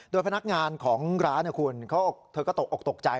โดยพนักงานของร้านนะคุณเธอก็ตกออกตกใจ